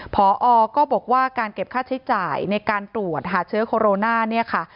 พอก็บอกว่าการเก็บค่าใช้จ่ายในการตรวจหาเชื้อโคโรนาเนี่ยค่ะ